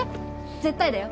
絶対だよ。